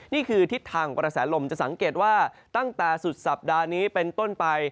นี่คือทิศทางของกระแสลมจะสังเกตว่าตั้งแต่สุดสัปดาห์นี้เป็นต้นไป